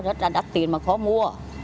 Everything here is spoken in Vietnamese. rất là đắt tiền mà khó mua